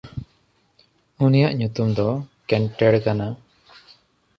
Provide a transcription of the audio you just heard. ᱩᱱᱤᱭᱟᱜ ᱧᱩᱛᱩᱢ ᱫᱚ ᱠᱮᱱᱴᱮᱲ ᱠᱟᱱᱟ᱾